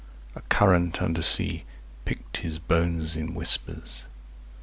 A current under sea 315 Picked his bones in whispers.